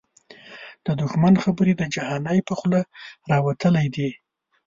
د دښمن خبري د جهانی په خوله راوتلی دې